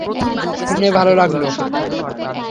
শুনে ভালো লাগল।